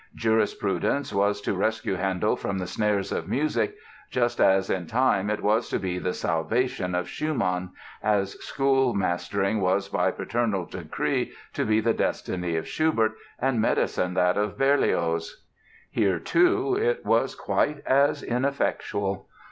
Jurisprudence was to rescue Handel from the snares of music, just as in time it was to be the "salvation" of Schumann, as school mastering was by paternal decree to be the destiny of Schubert, and medicine that of Berlioz. Here, too, it was quite as ineffectual!